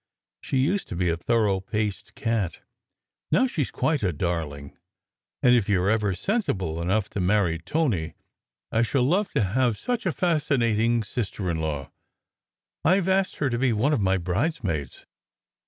She used to be a thorough paced cat. Now she s quite a darling, and if you re ever sensible enough to marry Tony, I shall love to have such a fascinating sister in law. I ve asked her to be one of my bridesmaids."